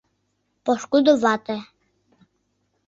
Пошкудо вате.